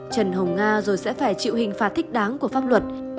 trần hồng nga rồi sẽ phải chịu hình phạt thích đáng của pháp luật